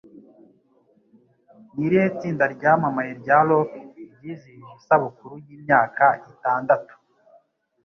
Ni irihe tsinda ryamamaye rya rock ryizihije isabukuru yimyaka itandatu